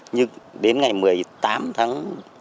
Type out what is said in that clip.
nhưng đến ngày một mươi tám tháng bảy